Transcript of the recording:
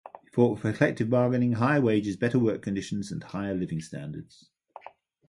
He fought for collective bargaining, higher wages, better work conditions, and higher living standards.